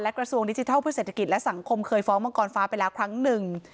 กระทรวงดิจิทัลเพื่อเศรษฐกิจและสังคมเคยฟ้องมังกรฟ้าไปแล้วครั้งหนึ่ง